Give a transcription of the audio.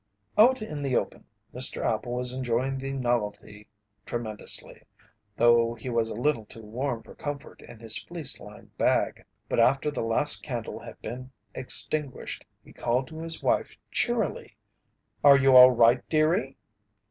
Out in the open, Mr. Appel was enjoying the novelty tremendously, though he was a little too warm for comfort in his fleece lined bag. But after the last candle had been extinguished he called to his wife cheerily: "Are you all right, dearie?"